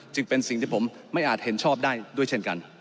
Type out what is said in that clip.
จึงเป็นสิ่งที่ผมไม่อาจเห็นชอบได้ด้วยเช่นกัน